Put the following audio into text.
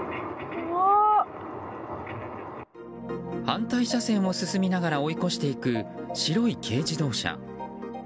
反対車線を進みながら追い越していく白い軽自動車。